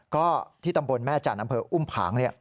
ก็ที่ตำบลแม่จานอำเภาอุ่มผาง